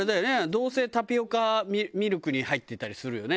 どうせタピオカミルクに入ってたりするよね。